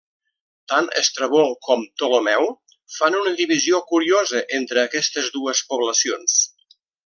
Tant Estrabó com Ptolemeu fan una divisió curiosa entre aquestes dues poblacions.